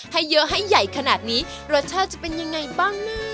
ให้เยอะให้ใหญ่ขนาดนี้รสชาติจะเป็นยังไงบ้างนะ